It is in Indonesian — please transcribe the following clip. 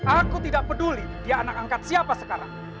aku tidak peduli dia anak angkat siapa sekarang